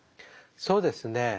そうですね